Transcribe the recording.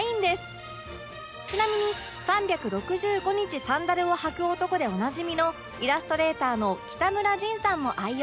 ちなみに３６５日サンダルを履く男でおなじみのイラストレーターの北村ヂンさんも愛用